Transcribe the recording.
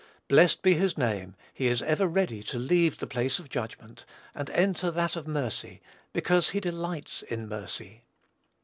Blessed be his name, he is ever ready to leave the place of judgment, and enter that of mercy, because he delights in mercy.